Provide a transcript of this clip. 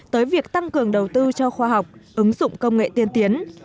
tăng cường đầu tư cho khoa học ứng dụng công nghệ tiên tiến